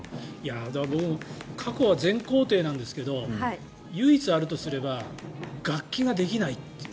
僕も過去は全肯定なんですけど唯一あるとすれば楽器ができないという。